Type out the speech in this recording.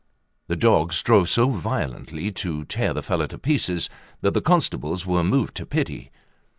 The dog strove so violently to tear the fellow to pieces, that the constables were moved to pity.